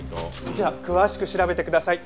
じゃあ詳しく調べてください。